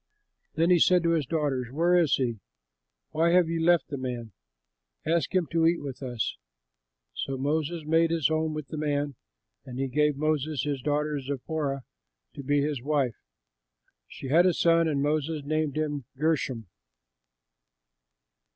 Then he said to his daughters, "Where is he? Why have you left the man? Ask him to eat with us." So Moses made his home with the man; and he gave Moses his daughter Zipporah to be his wife. She had a son, and Moses named him Gershom.